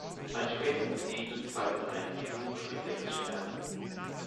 Ein späteres Siegel zeigte einen Pflug mit sechs Sternen.